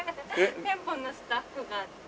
店舗のスタッフが。